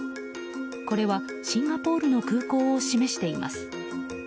これはシンガポールの空港を示しています。